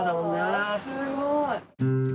すごい。